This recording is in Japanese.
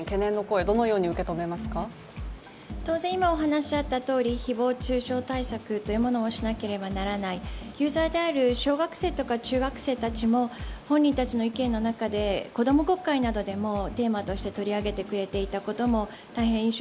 当然、今お話があったとおり誹謗中傷対策をしなければならないユーザーである小学生とか、中学生の中でも本人たちの意見の中で子供国会の中でもテーマとして取り上げてくれたことも大変印象